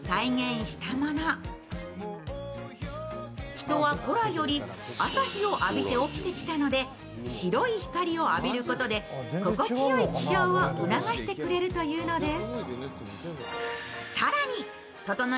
人は、古来より朝日を浴びて起きてきたので白い光を浴びることで心地よい起床を促してくれるというのです。